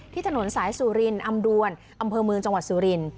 ถนนสายสุรินอำดวนอำเภอเมืองจังหวัดสุริน